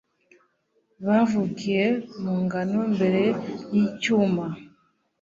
Bavukiye mu ngano mbere yicyuma